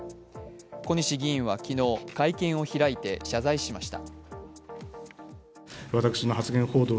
小西議員は昨日、会見を開いて謝罪しました。